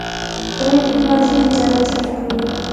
نوې ټکنالوژي تجارت چټکوي.